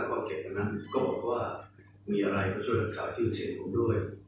กชนะก็บอกว่ามีอะไรอยากช่วยคุณสอดที่รู้สินผมด้วย